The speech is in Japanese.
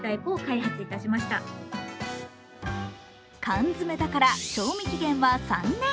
缶詰だから賞味期限は３年。